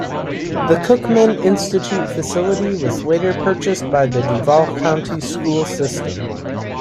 The Cookman Institute facility was later purchased by the Duval County School System.